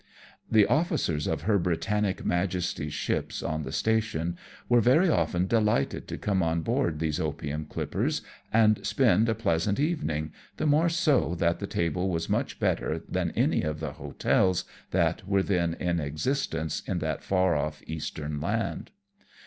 The officers of Her Britannic Majesty's ships on the station were very often delighted to come on board these opium clippers aild spend a pleasant evening, the more so that the table was much better than any of the hotels that were then in existence in that far off Eastern land.